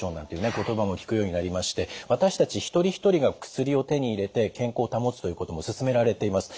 言葉も聞くようになりまして私たち一人一人が薬を手に入れて健康を保つということもすすめられています。